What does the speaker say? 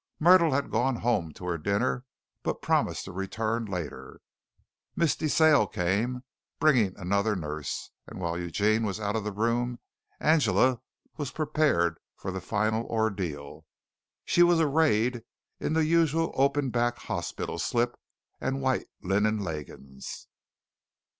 Myrtle had gone home to her dinner, but promised to return later. Miss De Sale came, bringing another nurse, and while Eugene was out of the room, Angela was prepared for the final ordeal. She was arrayed in the usual open back hospital slip and white linen leggings.